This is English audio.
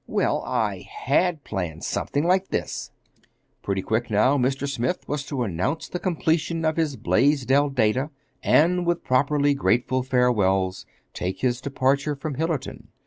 "Well, I had planned something like this: pretty quick, now, Mr. Smith was to announce the completion of his Blaisdell data, and, with properly grateful farewells, take his departure from Hillerton.